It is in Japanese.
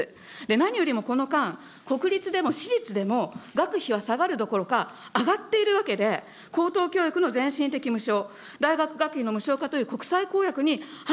何よりもこの間、国立でも私立でも、学費は下がるどころか、上がっているわけで、高等教育のぜんしん的無償、大学学費の無償化という国際公約に反